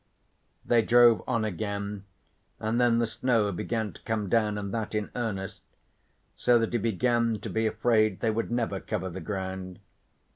They drove on again and then the snow began to come down and that in earnest, so that he began to be afraid they would never cover the ground.